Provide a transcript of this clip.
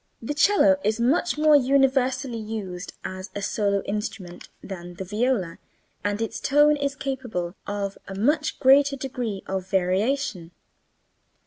The cello is much more universally used as a solo instrument than the viola and its tone is capable of a much greater degree of variation.